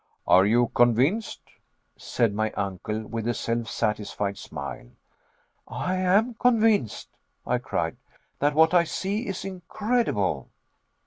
"Are you convinced?" said my uncle, with a self satisfied smile. "I am convinced," I cried, "that what I see is incredible."